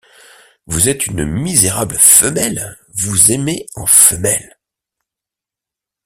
Vous êtes une misérable femelle, vous aimez en femelle!